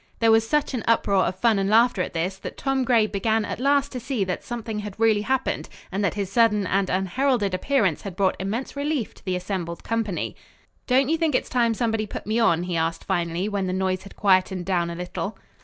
There was such an uproar of fun and laughter at this that Tom Gray began at last to see that something had really happened, and that his sudden and unheralded appearance had brought immense relief to the assembled company. "Don't you think it's time somebody put me on?" he asked finally when the noise had quieted down a little.